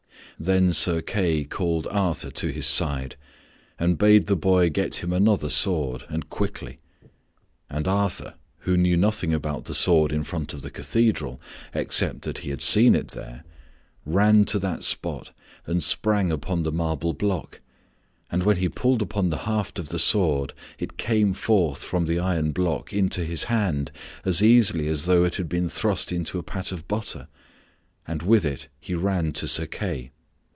Then Sir Kay called Arthur to his side and bade the boy get him another sword, and quickly. And Arthur, who knew nothing about the sword in front of the cathedral, except that he had seen it there, ran to that spot and sprang upon the marble block and when he pulled upon the haft of the sword it came forth from the iron block into his hand as easily as though it had been thrust into a pat of butter, and with it he ran to Sir Kay.